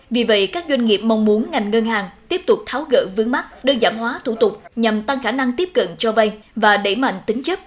vì vậy các doanh nghiệp mong muốn ngành ngân hàng tiếp tục tháo gỡ vướng mắt đơn giản hóa thủ tục nhằm tăng khả năng tiếp cận cho vay và đẩy mạnh tính chấp